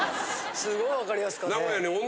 すごい分かりやすかったね。